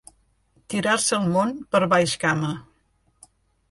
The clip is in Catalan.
Tirar-se el món per baix cama.